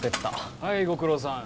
はいご苦労さん。